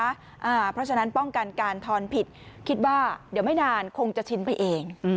เพราะฉะนั้นป้องกันการทอนผิดคิดว่าเดี๋ยวไม่นานคงจะชินไปเอง